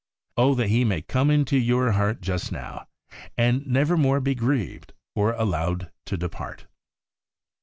Oh, that He may come into your heart just now, and nevermore be grieved, or allowed to depart